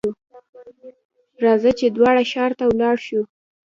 راځه ! چې دواړه ښار ته ولاړ شو.